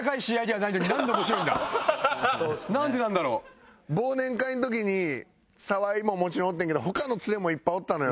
なんでなんだろう？忘年会の時に澤井ももちろんおってんけど他のツレもいっぱいおったのよ。